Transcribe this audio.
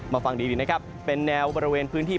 ฟังดีนะครับเป็นแนวบริเวณพื้นที่